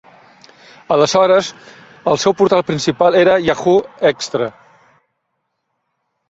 Aleshores el seu portal principal era Yahoo! Xtra.